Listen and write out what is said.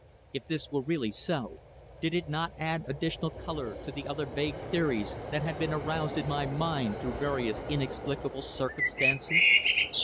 If this were really so, did it not add additional colour to the other vague theories that had been aroused in my mind through various inexplicable circumstances?